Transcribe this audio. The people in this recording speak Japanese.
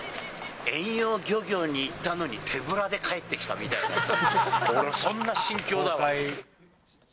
遠洋漁業に行ったのに手ぶらで帰ってきたみたいな、俺はそんな心境だわ。